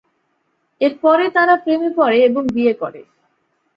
এর পরে তারা প্রেমে পড়ে এবং বিয়ে করে।